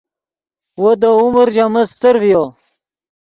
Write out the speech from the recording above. وو دے عمر ژے من استر ڤیو